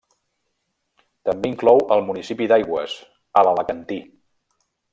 També inclou el municipi d'Aigües, a l'Alacantí.